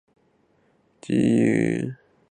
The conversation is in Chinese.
经营云林县私立维多利亚实验高级中学。